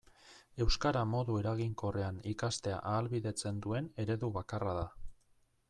Euskara modu eraginkorrean ikastea ahalbidetzen duen eredu bakarra da.